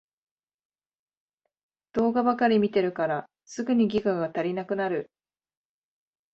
動画ばかり見てるからすぐにギガが足りなくなる